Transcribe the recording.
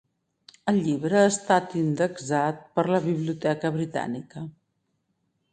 El llibre ha estat indexat per la Biblioteca Britànica.